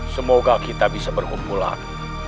semoga kita bisa berkumpulan